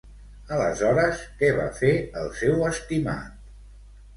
Aleshores, què va fer el seu estimat?